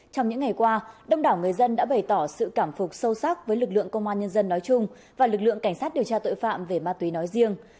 trong những ngày qua đông đảo người dân đã bày tỏ sự cảm phục sâu sắc với lực lượng công an nhân dân nói chung và lực lượng cảnh sát điều tra tội phạm về ma túy nói riêng